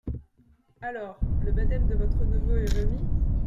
Alors le baptême de votre neveu est remis ?